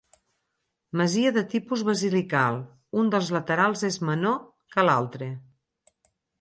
Masia de tipus basilical, un dels laterals és menor que l'altre.